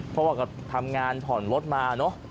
เพราะว่าก็ทำงานผ่อนรถมาเนอะ